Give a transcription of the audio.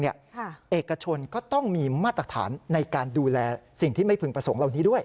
เอกชนก็ต้องมีมาตรฐานในการดูแลสิ่งที่ไม่พึงประสงค์เหล่านี้ด้วย